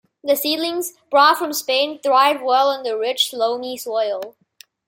The seedlings, brought from Spain, thrived well in the rich, loamy soil.